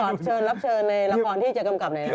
ขอขอเชิญรับเชิญในละครที่เจอกำกับในนี้